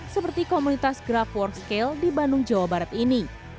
seperti komunitas graf workscale di bandung jawa barat ini